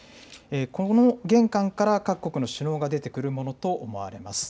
この玄関から各国の首脳が出てくるものと思われます。